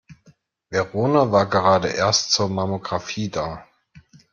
Verona war gerade erst zur Mammographie da.